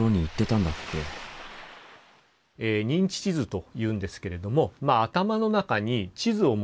認知地図というんですけれどもまあ頭の中に地図を持っている。